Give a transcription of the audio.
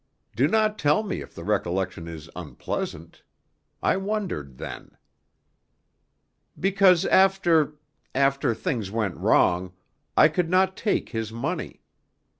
Do not tell me if the recollection is unpleasant. I wondered then." "Because after after things went wrong, I could not take his money.